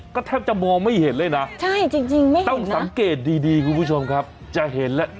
ก็แทบจะมองไม่เห็นเลยนะใช่จริงต้องสังเกตดีคุณผู้ชมครับจะเห็นแล้ว